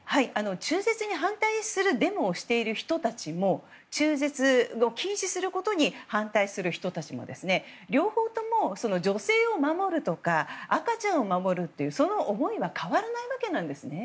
中絶に反対するデモをしている人たちも中絶を禁止することに反対する人たちも両方とも女性を守るとか赤ちゃんを守るというその思いは変わらないわけなんですね。